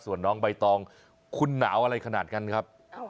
ส่วนน้องใบตองคุณหนาวอะไรขนาดนั้นครับ